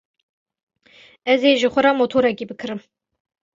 Ez ê ji xwe re motorekî bikirim.